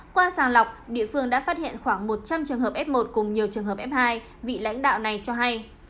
qua sàng lọc địa phương đã phát hiện khoảng một trăm linh trường hợp f một cùng nhiều trường hợp f hai vị lãnh đạo này cho hay